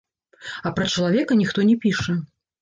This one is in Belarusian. А пра чалавека ніхто не піша.